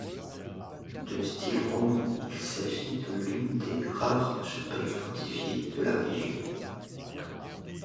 De style roman, il s'agit de l'une des rares chapelles fortifiées de la région.